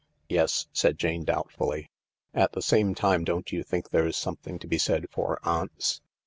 " Yes," said Jane doubtfully. " At the same time, don't you think there's something to be said for aunts